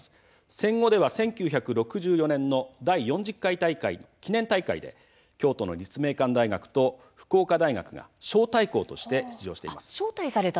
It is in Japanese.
戦後では、１９６４年の第４０回大会の記念大会で京都の立命館大学と福岡大学が招待校として出場しています。